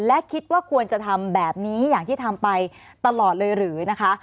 และคิดว่าควรจะทำแบบนี้อย่างที่ทำไปตลอดเลยหรือนะคะ